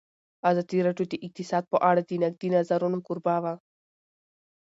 ازادي راډیو د اقتصاد په اړه د نقدي نظرونو کوربه وه.